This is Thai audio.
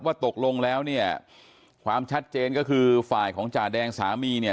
ตกลงแล้วเนี่ยความชัดเจนก็คือฝ่ายของจ่าแดงสามีเนี่ย